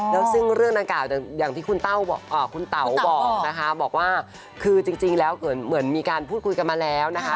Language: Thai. แล้วซึ่งเรื่องดังกล่าวอย่างที่คุณเต๋าบอกนะคะบอกว่าคือจริงแล้วเหมือนมีการพูดคุยกันมาแล้วนะคะ